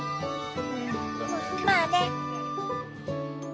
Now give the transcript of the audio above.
まあね。